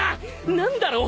何だろう？